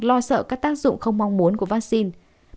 lo sợ các tác dụng không mong muốn của vaccine